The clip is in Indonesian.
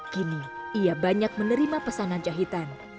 kini ia banyak menerima pesanan jahitan